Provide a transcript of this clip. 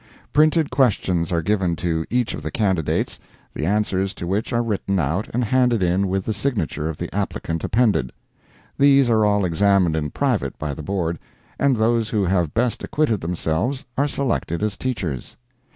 Printed questions are given to each of the candidates, the answers to which are written out and handed in with the signature of the applicant appended. These are all examined in private by the Board, and those who have best acquitted themselves are selected as teachers.